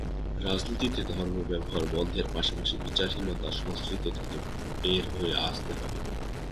রাজনীতিতে ধর্ম ব্যবহার বন্ধের পাশাপাশি বিচারহীনতার সংস্কৃতি থেকে বের হয়ে আসতে হবে।